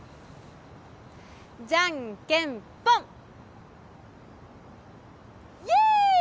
じゃんけんぽんイエーイ！